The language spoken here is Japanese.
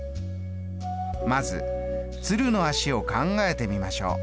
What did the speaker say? まず鶴の足を考えてみましょう。